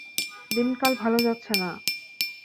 দিনকাল ভালো যাচ্ছে না।